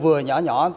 vừa vừa nhỏ nhỏ